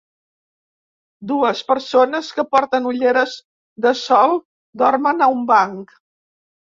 Dues persones que porten ulleres de sol dormen a un banc.